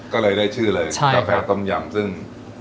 ก็เลยได้ชื่อเลยกาแฟต้มยำซึ่ง